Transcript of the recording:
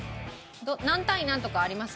何対何とかあります？